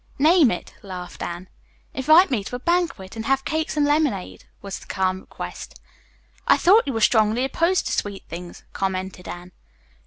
"Name it," laughed Anne. "Invite me to a banquet, and have cakes and lemonade," was the calm request. "I thought you were strongly opposed to sweet things," commented Anne.